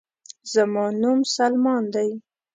زما نوم سلمان دے